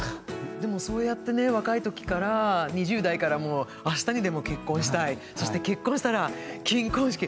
でもそうやってね若い時から２０代からもうあしたにでも結婚したいそして結婚したら金婚式。